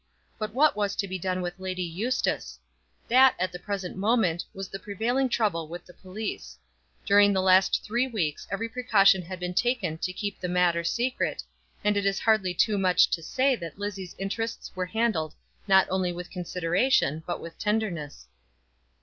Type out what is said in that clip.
But what was to be done with Lady Eustace? That, at the present moment, was the prevailing trouble with the police. During the last three weeks every precaution had been taken to keep the matter secret, and it is hardly too much to say that Lizzie's interests were handled not only with consideration but with tenderness.